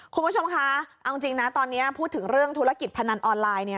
คุณผู้ชมคะเอาจริงนะตอนนี้พูดถึงเรื่องธุรกิจพนันออนไลน์เนี่ย